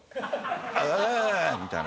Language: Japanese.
あ！みたいな。